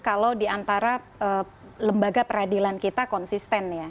kalau diantara lembaga peradilan kita konsisten ya